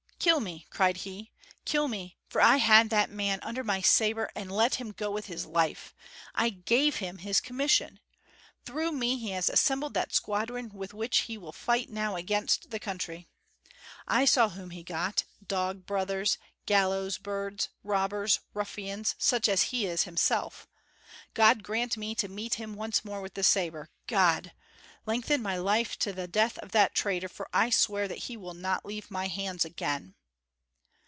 "Kill me!" cried he, "kill me, for I had that man under my sabre and let him go with his life; I gave him his commission. Through me he assembled that squadron with which he will fight now against the country. I saw whom he got: dog brothers, gallows birds, robbers, ruffians, such as he is himself. God grant me to meet him once more with the sabre God! lengthen my life to the death of that traitor, for I swear that he will not leave my hands again."